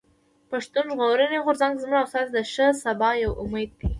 پښتون ژغورني غورځنګ زموږ او ستاسو د ښه سبا يو امېد دی.